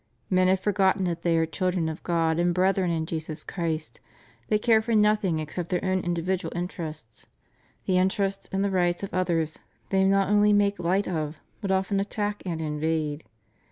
Men have forgotten that they are children of God and brethren in Jesus Christ; they care for nothing except their own individual interests; the interests and the rights of others they not only make light of, but often attack and invade.